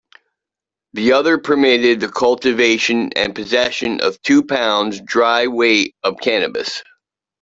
The other permitted the cultivation and possession of two pounds' dry weight of cannabis.